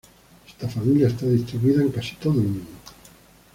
Esta familia está distribuida en casi todo el mundo.